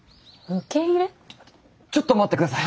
ちょっと待って下さい。